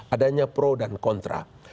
adanya pro dan kontra